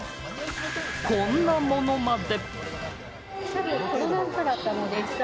こんなものまで。